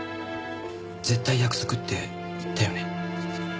絶対約束って言ったよね？